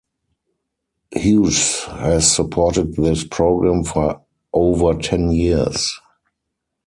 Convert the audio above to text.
Hughes has supported this program for over ten years.